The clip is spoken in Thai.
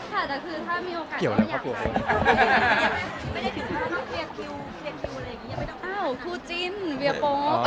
แสวได้ไงของเราก็เชียนนักอยู่ค่ะเป็นผู้ร่วมงานที่ดีมาก